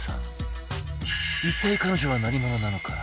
一体彼女は何者なのか？